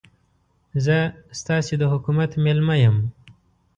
زه ستاسې د حکومت مېلمه یم.